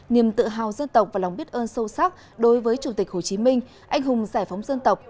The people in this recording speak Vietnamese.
niềm tự hào dân tộc và lòng biết ơn sâu sắc đối với chủ tịch hồ chí minh anh hùng giải phóng dân tộc